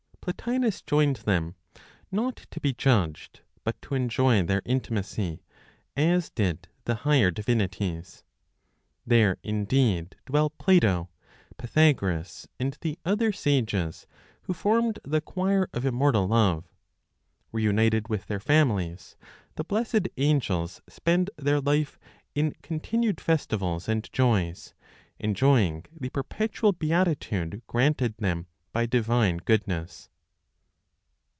Plotinos joined them, not to be judged, but to enjoy their intimacy, as did the higher divinities. There indeed dwell Plato, Pythagoras, and the other sages who formed the choir of immortal love. Reunited with their families, the blessed angels spend their life "in continued festivals and joys," enjoying the perpetual beatitude granted them by divine goodness.